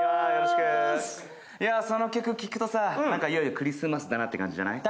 その曲聴くとさ、いよいよクリスマスって感じじゃない？